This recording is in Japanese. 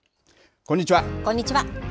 こんにちは。